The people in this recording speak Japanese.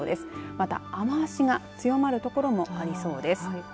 また雨足が強まる所もありそうです。